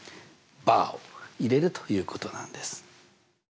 バーを入れるということなんです。